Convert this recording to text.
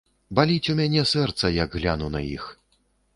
Баліць у мяне сэрца, як гляну на іх.